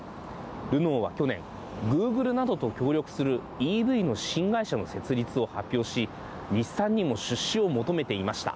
ルノーは去年、グーグルなどと協力するＥＶの新会社の設立を発表し日産にも出資を求めていました。